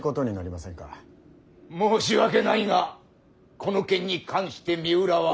申し訳ないがこの件に関して三浦は。